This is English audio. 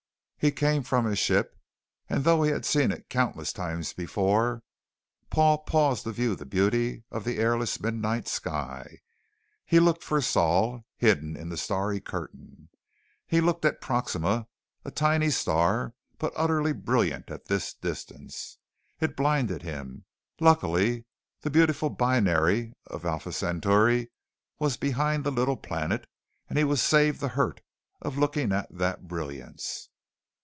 He came from his ship and though he had seen it countless times before Paul paused to view the beauty of the airless midnight sky. He looked for Sol, hidden in the starry curtain. He looked at Proxima, a tiny star but utterly brilliant at this distance. It blinded him; luckily the beautiful binary of Alpha Centauri was behind the little planet and he was saved the hurt of looking at that brilliance.